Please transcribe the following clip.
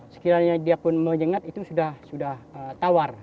sekiranya dia pun menyengat itu sudah tawar